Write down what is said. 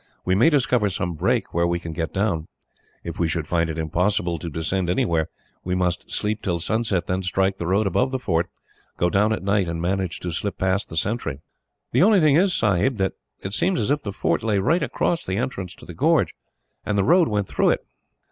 We may discover some break, where we can get down. If we should find it impossible to descend anywhere, we must sleep till sunset, then strike the road above the fort, go down at night, and manage to slip past the sentry." "The only thing is, Sahib, that it seemed as if the fort lay right across the entrance to the gorge, and the road went through it."